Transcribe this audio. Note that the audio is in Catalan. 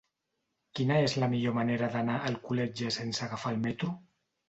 Quina és la millor manera d'anar a Alcoletge sense agafar el metro?